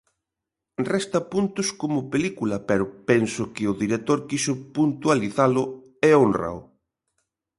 Resta puntos como película, pero penso que o director quixo puntualizalo e hónrao.